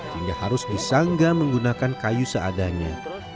hingga harus disanggah menggunakan kayu seadanya